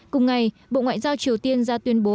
cùng ngày bộ ngoại giao triều tiên ra tuyên bố